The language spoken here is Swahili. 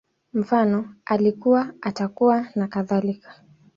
Mfano, Alikuwa, Atakuwa, nakadhalika